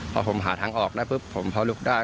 พอผมหาทางออกได้ปุ๊บผมพอลุกได้